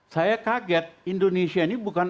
saya kaget indonesia ini bukan